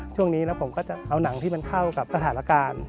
ช่วงนี้ผมก็จะเอาหนังที่เข้ากับประธานการณ์